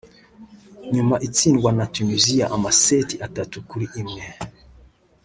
nyuma itsindwa na Tuniziya amaseti atatu kuri imwe